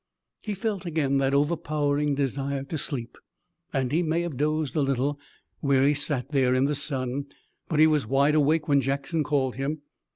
He felt again that overpowering desire to sleep, and he may have dozed a little when he sat there in the sun, but he was wide awake when Jackson called him.